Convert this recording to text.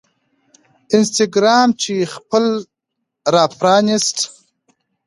انسټاګرام مې خپل راپرانیست